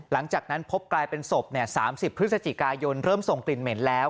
หลังจากนั้นพบกลายเป็นศพ๓๐พฤศจิกายนเริ่มส่งกลิ่นเหม็นแล้ว